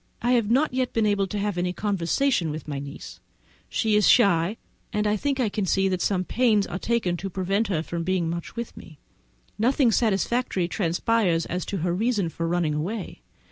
I have not been able to have any conversation with my niece; she is shy, and I think I can see that some pains are taken to prevent her being much with me. Nothing satisfactory transpires as to her reason for running away.